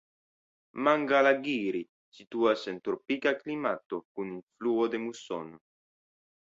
Mangalagiri situas en tropika klimato kun influo de musono.